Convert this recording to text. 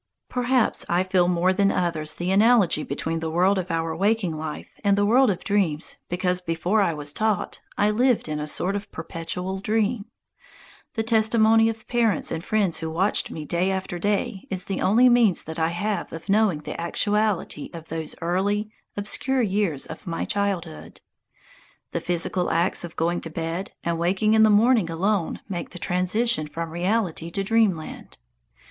Perhaps I feel more than others the analogy between the world of our waking life and the world of dreams because before I was taught, I lived in a sort of perpetual dream. The testimony of parents and friends who watched me day after day is the only means that I have of knowing the actuality of those early, obscure years of my childhood. The physical acts of going to bed and waking in the morning alone mark the transition from reality to Dreamland.